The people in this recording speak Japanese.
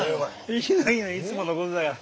いいのいいのいつものことだから。